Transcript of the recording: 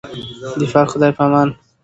د پاک خدای په امان.